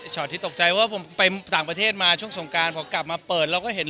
ที่ตกใจว่าผมไปต่างประเทศมาช่วงสงการพอกลับมาเปิดเราก็เห็น